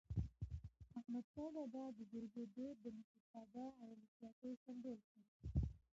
احمد شاه بابا د جرګو دود د مشرتابه او ولسواکی سمبول کړ.